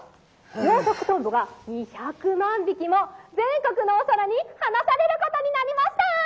養殖トンボが２００万匹も全国のお空に放されることになりました」。